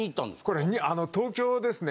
これあの東京ですね。